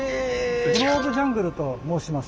グローブジャングルと申します。